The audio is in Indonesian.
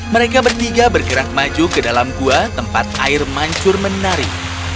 mereka bertiga bergerak maju ke dalam gua tempat air mancur menarik